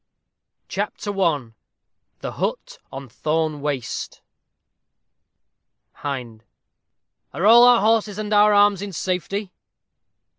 CHAPTER I THE HUT ON THORNE WASTE Hind. Are all our horses and our arms in safety?